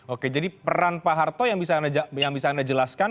oke jadi peran pak harto yang bisa anda jelaskan